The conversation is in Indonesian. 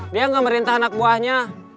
dia nggak merintah anak buahnya